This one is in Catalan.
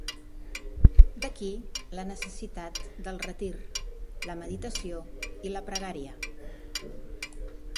D'aquí la necessitat del retir, la meditació i la pregària.